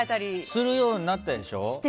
するようになったでしょ？